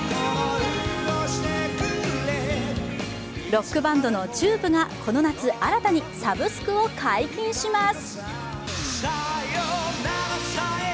ロックバンドのＴＵＢＥがこの夏、新たにサブスクを解禁します。